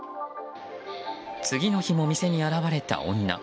次の日も店に現れた女。